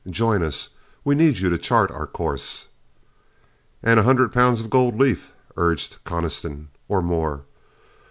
Join us. We need you to chart our course." "And a hundred pounds of gold leaf," urged Coniston. "Or more.